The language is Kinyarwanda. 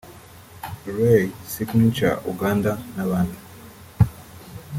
Ray Signature (Uganda) n’abandi